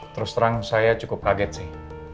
terus terang saya cukup kaget sih